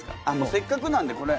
せっかくなんでこれ。